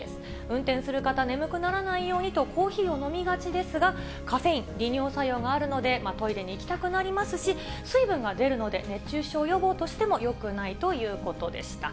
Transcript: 運転する方、眠くならないようにと、コーヒーを飲みがちですが、カフェイン、利尿作用があるのでトイレに行きたくなりますし、水分が出るので、熱中症予防としてもよくないということでした。